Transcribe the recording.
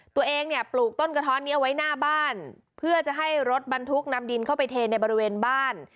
ตัวเองเนี่ยปลูกต้นกระท้อนนี้เอาไว้หน้าบ้านเพื่อจะให้รถบรรทุกนำดินเข้าไปเทในบริเวณบ้าน